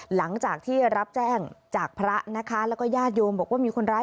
หลังจากที่รับแจ้งจากพระนะคะแล้วก็ญาติโยมบอกว่ามีคนร้าย